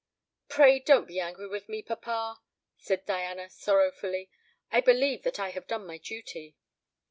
"Pray don't be angry with me, papa," said Diana sorrowfully; "I believe that I have done my duty."